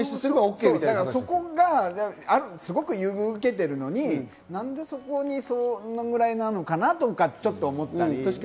そこがすごく優遇を受けているのに、なんでそこにそのぐらいなのかな？とか、ちょっと思ったり。